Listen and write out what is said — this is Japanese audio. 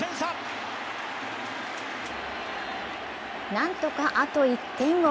何とかあと１点を！